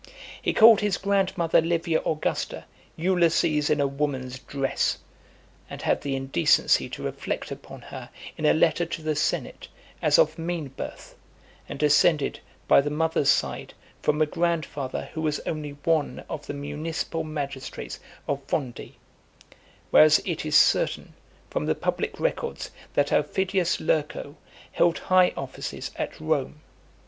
He called his grandmother Livia Augusta "Ulysses in a woman's dress," and had the indecency to reflect upon her in a letter to the senate, as of mean birth, and descended, by the mother's side, from a grandfather who was only one of the municipal magistrates of Fondi; whereas it is certain, from the public records, that Aufidius Lurco held high offices at Rome.